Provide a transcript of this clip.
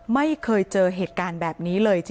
ไม่เคยเจอเหตุการณ์แบบนี้เลยจริง